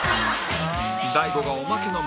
大悟がおまけの○